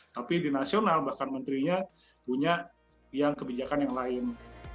tapi di nasional bahkan menterinya punya yang kebijakan yang lain